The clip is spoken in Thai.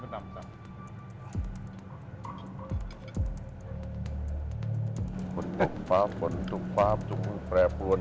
คนตุ๊กป๊าบคนตุ๊กป๊าบตุ๊กแพร่บรวม